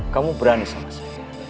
kamu berani sama saya